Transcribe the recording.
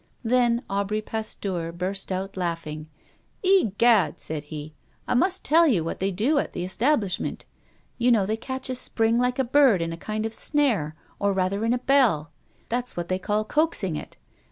Then Aubry Pasteur burst out laughing: "Egad," said he, "I must tell you what they do at the establishment. You know they catch a spring like a bird in a kind of snare, or rather in a bell. That's what they call coaxing it.